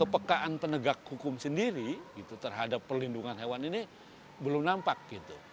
kepekaan penegak hukum sendiri terhadap perlindungan hewan ini belum nampak gitu